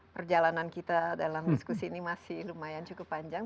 perjalanan kita dalam diskusi ini masih lumayan cukup panjang